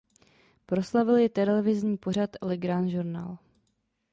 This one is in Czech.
Proslavil ji televizní pořad "Le Grand Journal".